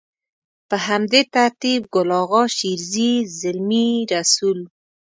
په همدې ترتيب ګل اغا شېرزي، زلمي رسول.